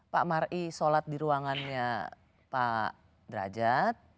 pak mari sholat di ruangannya pak derajat